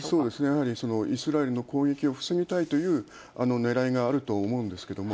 やはりイスラエルの攻撃を防ぎたいというねらいがあると思うんですけれども。